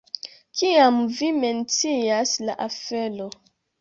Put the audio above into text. Kiam vi mencias la aferon.